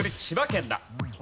千葉県だ。